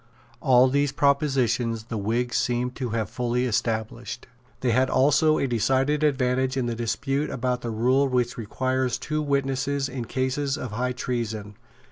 All these propositions the Whigs seem to have fully established. They had also a decided advantage in the dispute about the rule which requires two witnesses in cases of high treason.